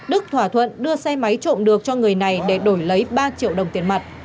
đức thỏa thuận đưa xe máy trộm được cho người này để đổi lấy ba triệu đồng tiền mặt